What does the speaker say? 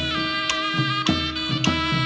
กลับไปที่นี่